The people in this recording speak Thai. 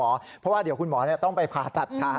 เพราะว่าเดี๋ยวคุณหมอต้องไปผ่าตัดค่ะ